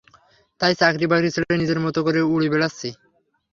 তাই চাকরি বাকরি ছেড়ে নিজের মতো করে উড়ে বেড়াচ্ছি!